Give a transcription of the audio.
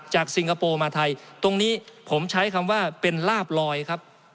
สิงคโปร์มาไทยตรงนี้ผมใช้คำว่าเป็นลาบลอยครับ